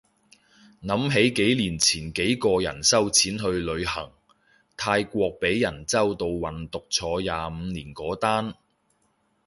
諗起幾年前幾個人收錢去旅行，泰國被人周到運毒坐廿五年嗰單